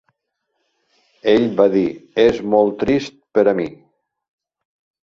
Ell va dir: "És molt trist per a mi."